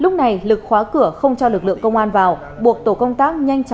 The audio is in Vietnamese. lúc này lực khóa cửa không cho lực lượng công an vào buộc tổ công tác nhanh chóng